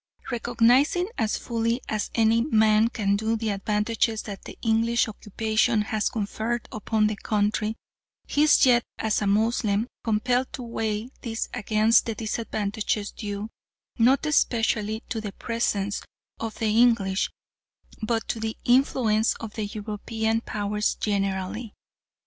Recognising as fully as any man can do the advantages that the English occupation has conferred upon the country, he is yet as a Moslem compelled to weigh these against the disadvantages due, not specially to the presence of the English but to the influence of the European Powers generally.